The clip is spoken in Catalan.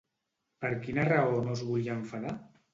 Per quina raó no es volia enfadar?